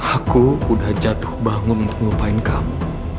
aku udah jatuh bangun untuk ngupain kamu